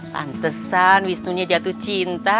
pantesan wisnunya jatuh cinta